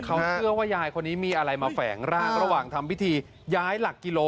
เขาเชื่อว่ายายคนนี้มีอะไรมาแฝงร่างระหว่างทำพิธีย้ายหลักกิโล